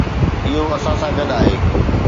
اهو اسان سان گڏ آهي.